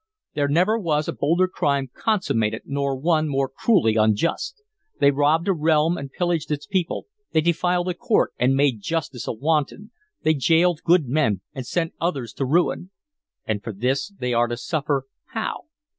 There never was a bolder crime consummated nor one more cruelly unjust. They robbed a realm and pillaged its people, they defiled a court and made Justice a wanton, they jailed good men and sent others to ruin; and for this they are to suffer how?